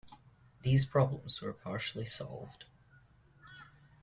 These problems were partially solved.